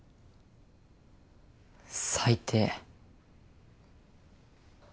最低。